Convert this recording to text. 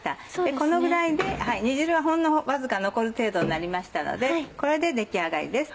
このぐらいで煮汁はほんのわずか残る程度になりましたのでこれで出来上がりです。